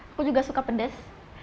aku juga suka pedas